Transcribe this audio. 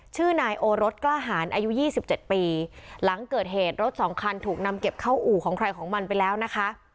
ชื่อนายโอรสกล้าหารอายุยี่สิบเจ็ดปีหลังเกิดเหตุรถสองคันถูกนำเก็บเข้าอู่ของใครของมันไปแล้วนะคะ